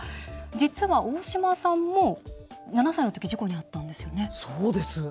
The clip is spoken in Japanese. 実は、大島さんも７歳のときに事故に遭ったんですよね。